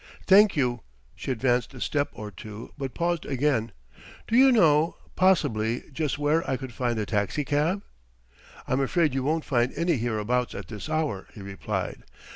"Thank you." She advanced a step or two, but paused again. "Do you know, possibly, just where I could find a taxicab?" "I'm afraid you won't find any hereabouts at this hour," he replied.